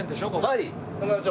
はい。